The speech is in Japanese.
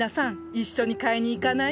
一緒に買いに行かない？